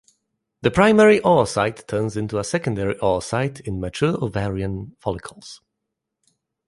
The primary oocyte turns into a secondary oocyte in mature ovarian follicles.